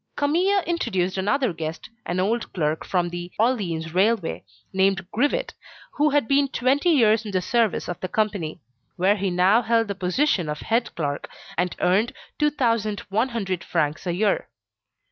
Camille introduced another guest, an old clerk at the Orleans Railway, named Grivet, who had been twenty years in the service of the company, where he now held the position of head clerk, and earned 2,100 francs a year.